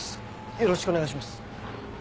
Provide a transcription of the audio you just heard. よろしくお願いします。